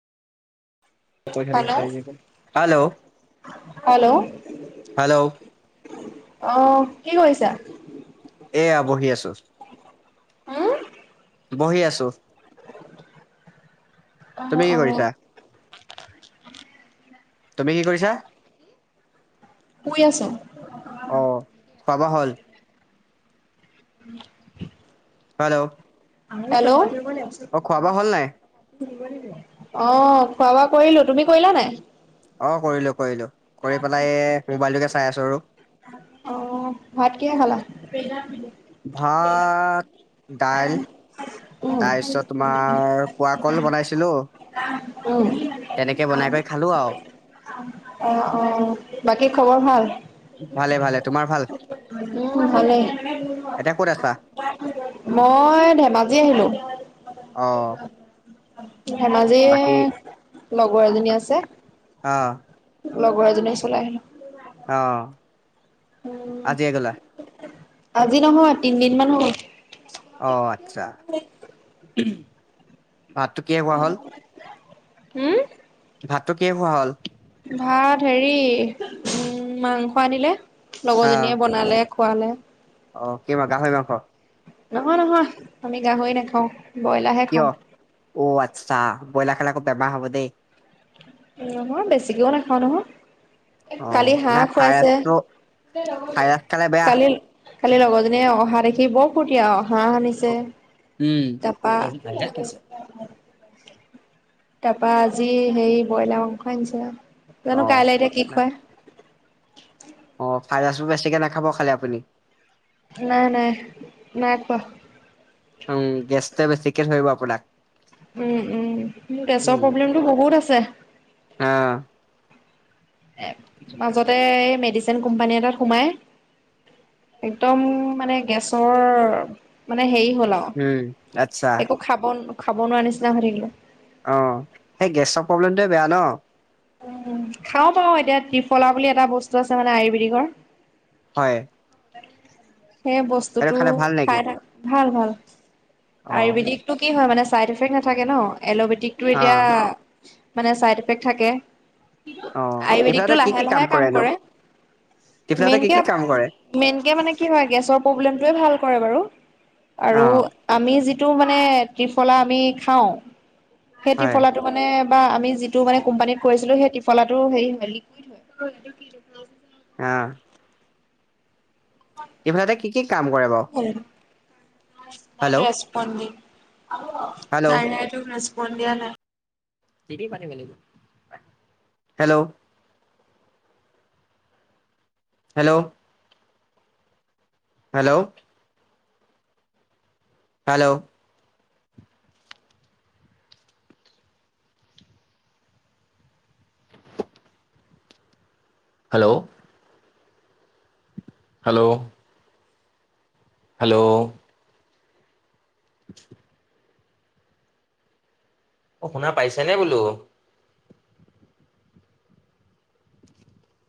Hello [inaudible] hello hello hello. অ' কি কৰিছা। এয়া বহি আছো। হুম। বহি আছোঁ। তুমি অ'হ কি অ'। কৰিছা তুমি কি কৰিছা? শুই আছো অ' খোৱা বোৱা হ'ল? [inaudible] হেল্ল'। হেল্ল'। অ' খোৱা বোৱা হ'ল নাই? অ' খোৱা বোৱা কৰিলোঁ, তুমি কৰিলা নাই? অ' কৰিলোঁ কৰিলোঁ, কৰি পেলাই মোবাইলটোকে চাই আছোঁ আৰু। অ' ভাত কিহে খালা? ভাত দাইল উম তাৰপিছত তোমাৰ পোৱা কল বনাইছিলো [inaudible] তেনেকে বনাই কৈ খালোঁ আৰু। অ', অ' বাকী খবৰ ভাল? ভালে ভালে তোমাৰ ভাল উম, হ'লে এতিয়া ক'ত আছা? মই ধেমাজি আহিলোঁ। অ ধেমাজি বাকী লগৰ এজনী আছে। অ'। লগৰ এজনী চলাই আহিল। অ'। আজিয়ে গ'লা আজি নহয় তিনদিন মান হ'ল। অ' আচ্ছা। ভাতটো কিহে খোৱা হ'ল? হু? ভাতটো কিহে খোৱা হ'ল? ভাত হেৰি উম, মাংস আনিলে, অ লগৰজনীয়ে বনালে। খুৱালে। অ' কিমা গাহৰি মাংস? নহয় নহয়, আমি গাহৰি নাখাওঁ, ব্ৰইলাৰহে কিয় খাওঁ। অ' আচ্ছা, ব্ৰইলাৰ খালা আকৌ বেমাৰ হ'ব দেই। নহয় বেছিকেও নাখাওঁ নহয়। অ কালি হাঁহ না খুৱাইছে। ভাইৰাছটো ভাইৰাছ খালে বেয়া কালি কালি লগৰজনীয়ে অহা দেখ সি বৰ ফুৰৰ্তি, হাঁহ আনিছে। উম তাৰপা [unintelligible] তাৰপৰা আজি হেৰি ব্ৰইলাৰ মাংস আনিছে, অ জানো কাইলে এতিয়া কি খুৱাই। অ' ফাই ৰাইচবোৰ বেছিকে নাখাব খালি আপুনি। নাই নাই, নাই খোৱা। উম, গেছটে বেছিকে ধৰিব আপোনাক। উম, উম, গেছৰ উম প্ৰব্লেমটো বহুত আছে। অ'। মাজতে এই মেডিচিন কোম্পানী এটাত সোমাই একদম মানে গেছৰ, মানে হেৰি হ'ল আৰু। উম, আচ্ছা। একো খাব খাব নোৱাৰ নিচিনা হৈ থাকিলোঁ। অঁ, সেই গেছৰ প্ৰব্লেমটোৱে বেয়া ন'? উম, খাও বাৰু এতিয়া ত্ৰিফলা বুলি এটা বস্তু আছে মানে আয়ুৰ্বেদিকৰ। হয়। সেই সেইটো বস্তুটো খালে ভাল নেকি খাই থাক, ভাল ভাল। অ আয়ুৰ্বেদিকটো কি হয় মানে চাইড এফেক্ট নাথাকে ন, এল'বেদিকটো অ এতিয়া- মানে চাইড ইফেক্ট থাকে। অ আয়ুৰ্বেদিকতটো টিফিনতে কি লাহে কি লাহে কাম কৰেনো কৰে। টিফিনতে কি কি মেইনকে- কাম কৰে মেইনকে মানে কি হয় গেছৰ প্ৰব্লেমটোৱে ভাল কৰে বাৰু অ আৰু- আমি যিটো মানে ত্ৰিফলা আমি খাওঁ, সেই হয় ত্ৰিফলাটো- মানে বা আমি যিটো মানে কোম্পানীত কৰিছিলোঁ সেই ত্ৰিফলাটো হেৰি হয় লিকুইড হয়। অঁ। ত্ৰিফলাটোৱে কি কি কাম কৰে বাৰু? নট হেল্ল' ৰেষ্টপন্দিং, হেল্ল' কাৰেনাইট- ৰেষ্পন দিয়া নাই। Hello! Hello? Hello! Hello! Hello! Hello! Hello! [inaudible] অঁ, শুনা পাইছে নে বোলো?